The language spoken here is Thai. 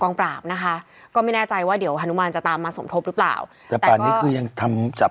ความคาวนะคะก็ไม่แน่ใจว่าเดี๋ยวฮาลมัวล์จะตามมาสมทบหรือเปล่าแต่มีคุณทำกับ